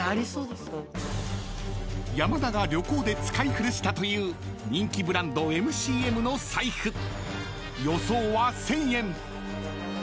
［山田が旅行で使い古したという人気ブランドＭＣＭの財布］